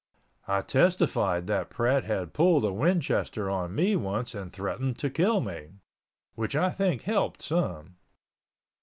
I testified that Pratt had pulled a Winchester on me once and threatened to kill me—which I think helped some.